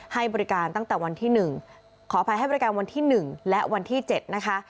ให้บริการตั้งแต่วันที่๑ขออภัยให้บริการวันที่๑และวันที่๗นะคะ